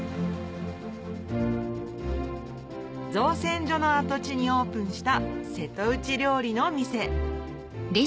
造船所の跡地にオープンした瀬戸内料理の店